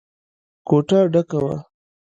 کوټه ډکه وه.